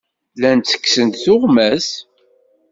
Llan ttekksen-d tuɣmas.